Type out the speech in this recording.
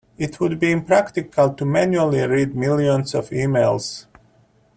It would be impractical to manually read millions of emails.